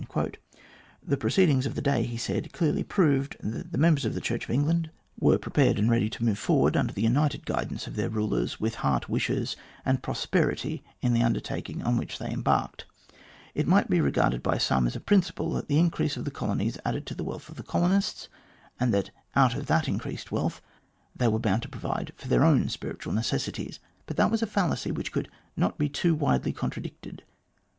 The proceedings of the day, he said, clearly proved that the members of the Church of England were prepared 232 THE GLADSTONE COLONY and ready to move forward, under the united guidance of their rulers, with heart, wishes, and property in the under taking on which they had embarked. It might be regarded by some as a principle that the increase of the colonies added to the wealth of the colonists, and that out of that increased wealth, they were bound to provide for their own spiritual necessities. But that was a fallacy which could not be too widely contradicted.